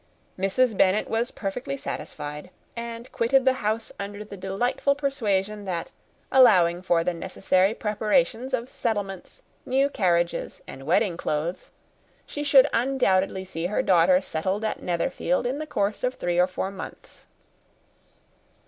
Mrs. Bennet was perfectly satisfied; and quitted the house under the delightful persuasion that, allowing for the necessary preparations of settlements, new carriages, and wedding clothes, she should undoubtedly see her daughter settled at Netherfield in the course of three or four months.